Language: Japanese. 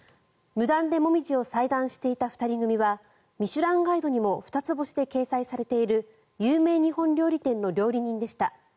無断でモミジを裁断していた２人組は「ミシュランガイド」にも２つ星で掲載されている有名日本料理店の料理人でした。